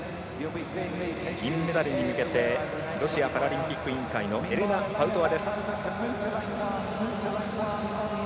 銀メダルに向けてロシアパラリンピック委員会のエレナ・パウトワです。